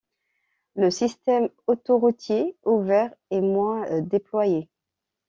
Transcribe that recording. Le système autoroutier ouvert est moins déployé.